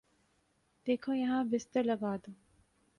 دیکھو یہاں بستر لگادو